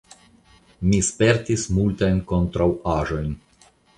Mi spertis multajn kontraŭaĵojn.